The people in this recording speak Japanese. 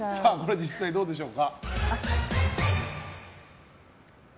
実際どうでしょうか？